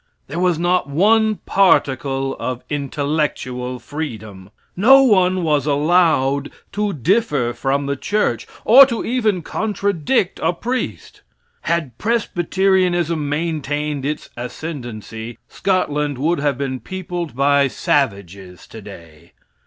There was not one particle of intellectual freedom. No one was allowed to differ from the church, or to even contradict a priest. Had Presbyterianism maintained its ascendancy, Scotland would have been peopled by savages today.